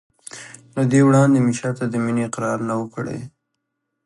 له دې وړاندې مې چا ته د مینې اقرار نه و کړی.